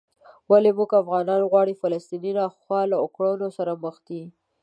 ولې موږ افغانانو غوندې فلسطینیان له ناخوالو او کړاوونو سره مخ دي؟